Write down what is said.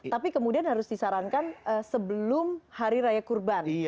tapi kemudian harus disarankan sebelum hari raya kurban